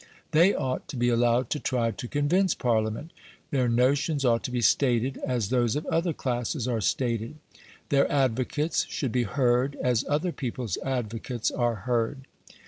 They ought to be allowed to try to convince Parliament; their notions ought to be stated as those of other classes are stated; their advocates should be heard as other people's advocates are heard.